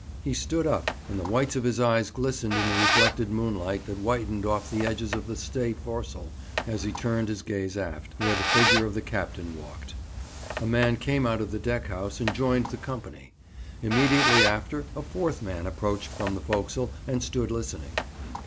He stood up, and the whites of his eyes glistened in the reflected moonlight that whitened off the edges of the stay foresail, as he turned his gaze aft, where the figure of the captain walked. A man came out of the deck house and joined the company. Immediately after, a fourth man approached from the forecastle, and stood listening.